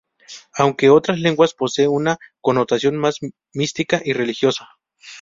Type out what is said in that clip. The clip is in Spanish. Aunque en otras lenguas posee una connotación más mística y religiosa.